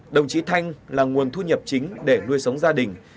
đồng chí thanh là nguồn thu nhập chính để nuôi sống gia đình